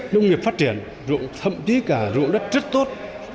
nông nghiệp phát triển thậm chí cả rụ đất rất tốt